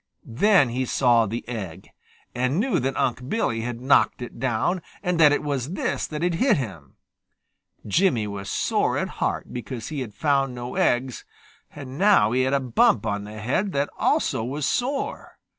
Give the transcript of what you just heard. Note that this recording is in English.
Then he saw the egg, and knew that Unc' Billy had knocked it down, and that it was this that had hit him. Jimmy was sore at heart because he had found no eggs, and now he had a bump on the head that also was sore.